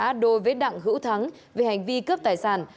đã đôi vết đặng hữu thắng về hành vi cướp tài sản